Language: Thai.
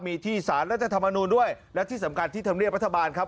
มีที่สารรัฐธรรมนูลด้วยและที่สำคัญที่ธรรมเนียบรัฐบาลครับ